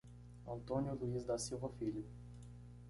Antônio Luiz da Silva Filho